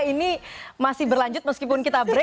ini masih berlanjut meskipun kita break